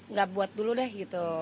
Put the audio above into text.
nggak buat dulu deh gitu